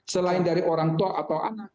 selain dari orang tua atau anak